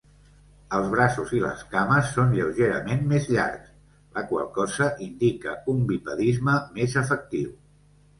Els braços i les cames són lleugerament més llargs, la qual cosa indica un bipedisme més efectiu.